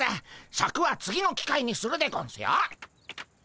シャクは次の機会にするでゴンスよ。